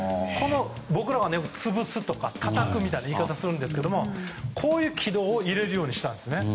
僕らは潰すとか、たたくっていう言い方をしますがこういう軌道を入れるようにしたんです。